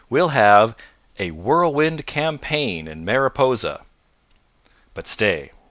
We'll have a Whirlwind Campaign in Mariposa!" But stay!